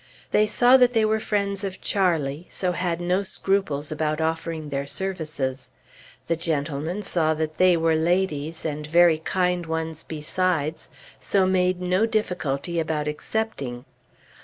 They saw that they were friends of Charlie, so had no scruples about offering their services; the gentlemen saw that they were ladies, and very kind ones, besides, so made no difficulty about accepting.